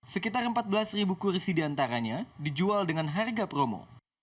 sekitar empat belas kursi diantaranya dijual dengan harga promo